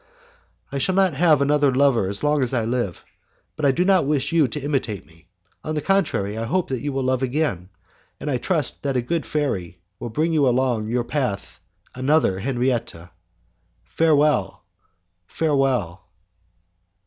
I shall not have another lover as long as I live, but I do not wish you to imitate me. On the contrary I hope that you will love again, and I trust that a good fairy will bring along your path another Henriette. Farewell ... farewell."